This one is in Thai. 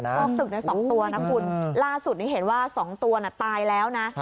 อกตึก๒ตัวนะคุณล่าสุดนี้เห็นว่า๒ตัวตายแล้วนะ